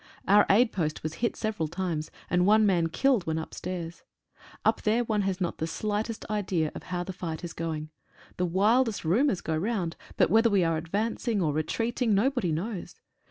Our aid post was hit several times, and one man killed when upstairs. Up there one has not the slightest idea of how the fight is going. The wildest rumours go round, but whether we are advancing or retreating no body knows.